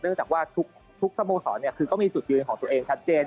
เนื่องจากว่าทุกสโมสรเนี่ยก็มีสุดยืนของตัวเองชัดเจน